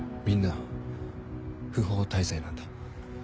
みんな不法滞在なんだ。